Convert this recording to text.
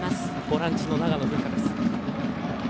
ボランチの長野風花です。